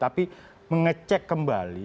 tapi mengecek kembali